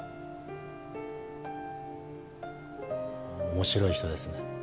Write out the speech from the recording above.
面白い人ですね。